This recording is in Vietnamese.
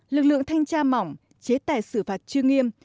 lực lượng thanh tra mỏng chế tài xử phạt chưa nghiêm